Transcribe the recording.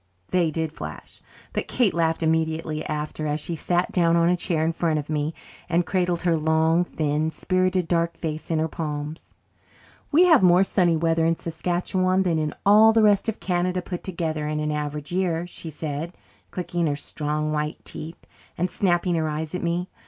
They did flash; but Kate laughed immediately after, as she sat down on a chair in front of me and cradled her long, thin, spirited dark face in her palms. "We have more sunny weather in Saskatchewan than in all the rest of Canada put together, in an average year," she said, clicking her strong, white teeth and snapping her eyes at me.